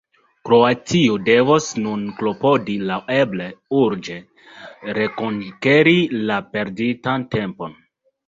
Kroatio devos nun klopodi laŭeble urĝe rekonkeri la perditan tempon.